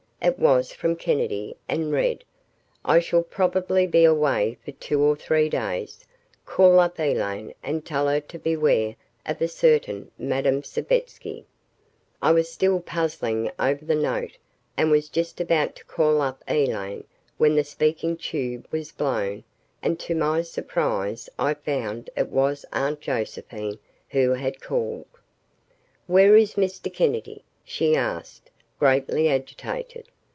It was from Kennedy and read, "I shall probably be away for two or three days. Call up Elaine and tell her to beware of a certain Madame Savetsky." I was still puzzling over the note and was just about to call up Elaine when the speaking tube was blown and to my surprise I found it was Aunt Josephine who had called. "Where is Mr. Kennedy?" she asked, greatly agitated.